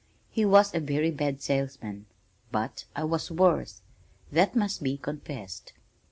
He was a very bad salesman, but I was worse that must be confessed.